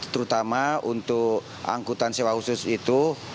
terutama untuk angkutan sewa khusus itu